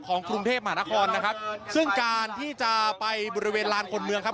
กรุงเทพมหานครนะครับซึ่งการที่จะไปบริเวณลานคนเมืองครับ